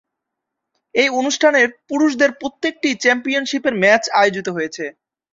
এই অনুষ্ঠানের পুরুষদের প্রত্যেকটি চ্যাম্পিয়নশিপের ম্যাচ আয়োজিত হয়েছে।